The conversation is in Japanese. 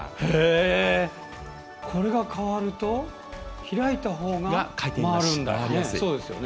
これが変わると開いたほうが回るんですね。